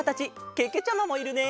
けけちゃまもいるね！